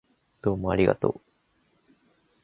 どうもありがとう